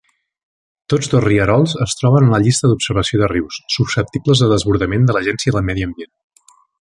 Tots dos rierols es troben a la llista d'observació de rius susceptibles de desbordament de l'Agència de Medi Ambient.